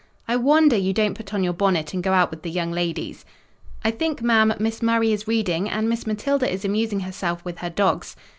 "I wonder you don't put on your bonnet and go out with the young ladies." "I think, ma'am, Miss Murray is reading; and Miss Matilda is amusing herself with her dogs."